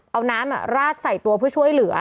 เอาน้ำราดใส่ตัวเพื่อช่วยเหลือ